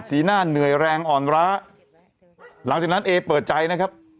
หน้าเหนื่อยแรงอ่อนร้าหลังจากนั้นเอเปิดใจนะครับ